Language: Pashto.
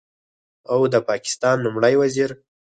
او د پاکستان لومړي وزیر